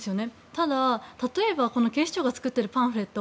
ただ例えば、この警視庁が作っているパンフレット